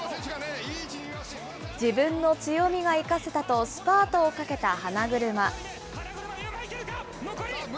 自分の強みが生かせたと、スパートをかけた花車。